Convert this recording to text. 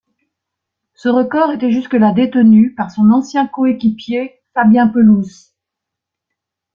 Ce record était jusque-là détenu par son ancien co-équipier Fabien Pelous.